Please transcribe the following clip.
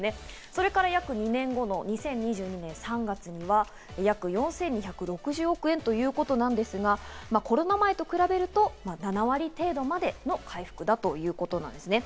そして２０２２年３月には約４２６０億円ということなんですが、コロナ前と比べると７割程度までの回復だということですね。